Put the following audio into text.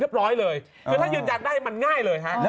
คือถ้ายืนยันได้มันง่ายเลยฮะ